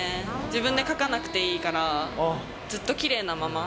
自分で描かなくていいから、ずっときれいなまま。